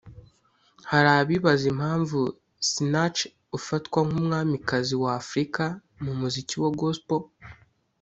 Hari abibaza impamvu Sinach ufatwa nk'umwamikazi wa Afrika mu muziki wa Gospel